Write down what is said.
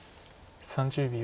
３０秒。